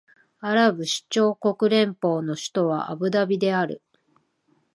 アラブ首長国連邦の首都はアブダビである